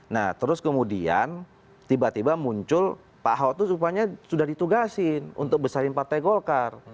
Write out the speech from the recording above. nah terus kemudian tiba tiba muncul pak ahok itu rupanya sudah ditugasin untuk besarin partai golkar